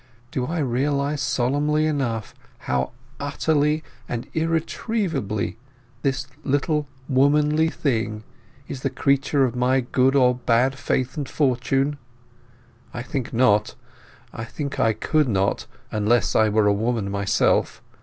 "Do I realize solemnly enough how utterly and irretrievably this little womanly thing is the creature of my good or bad faith and fortune? I think not. I think I could not, unless I were a woman myself.